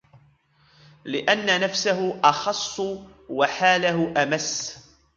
لِأَنَّ نَفْسَهُ أَخَصُّ وَحَالَهُ أَمَسُّ